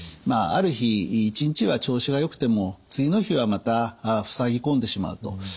ある日一日は調子がよくても次の日はまたふさぎ込んでしまうと。